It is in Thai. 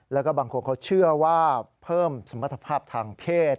แล้วก็บางคนเขาเชื่อว่าเพิ่มสมรรถภาพทางเพศ